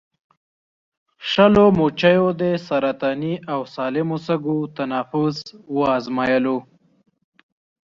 شلو مچیو د سرطاني او سالمو سږو تنفس وازمویلو.